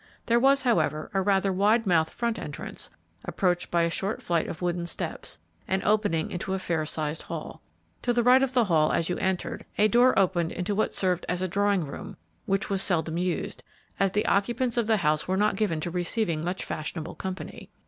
There was, however, a rather wide mouthed front entrance, approached by a short flight of wooden steps, and opening into a fair sized hall. To the right of the hall, as you entered, a door opened into what served as a drawing room, which was seldom used, as the occupants of the house were not given to receiving much fashionable company.